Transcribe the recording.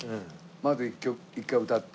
まず１回歌って。